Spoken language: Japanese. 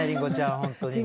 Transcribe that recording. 本当にね。